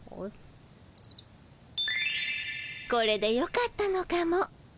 これでよかったのかも。